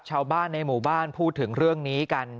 ชาวบ้านในหมู่บ้านพูดถึงเรื่องนี้กัน